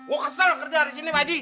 gue kesel kerja dari sini bang haji